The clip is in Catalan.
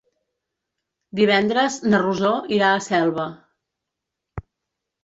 Divendres na Rosó irà a Selva.